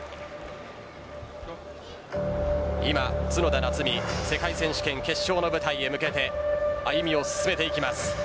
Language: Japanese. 今、角田夏実世界選手権決勝の舞台へ向けて歩みを進めていきます。